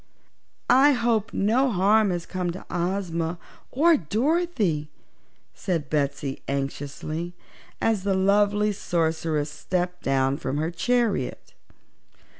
"I hope no harm has come to Ozma, or Dorothy," said Betsy anxiously, as the lovely Sorceress stepped down from her chariot.